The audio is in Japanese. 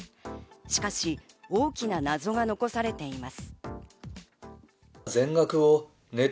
しかし大きな謎が残されています。